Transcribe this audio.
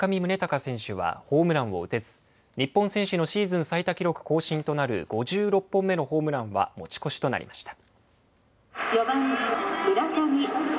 プロ野球ヤクルトの村上宗隆選手はホームランを打てず日本選手のシーズン最多記録更新となる５６本目のホームランは持ち越しとなりました。